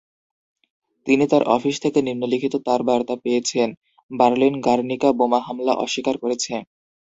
তিনি তার অফিস থেকে নিম্নলিখিত তারবার্তা পেয়েছেন, বার্লিন গার্নিকা বোমা হামলা অস্বীকার করেছে।